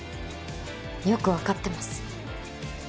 よくわかってます。